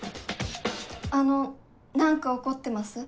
あの何か怒ってます？